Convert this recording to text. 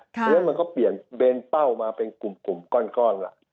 เพราะฉะนั้นมันก็เปลี่ยนเบนเป้ามาเป็นกลุ่มก้อนล่ะ